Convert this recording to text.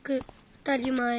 あたりまえ。